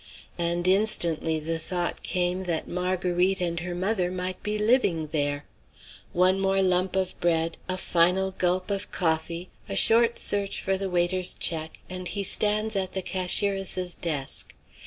And instantly the thought came that Marguerite and her mother might be living there. One more lump of bread, a final gulp of coffee, a short search for the waiter's check, and he stands at the cashieress's desk.